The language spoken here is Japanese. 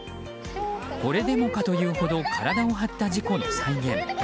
これでもかというほど体を張った事故の再現。